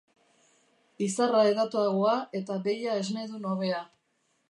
Izarra hedatuagoa eta behia esnedun hobea.